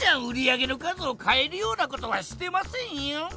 売り上げの数をかえるようなことはしてませんよ！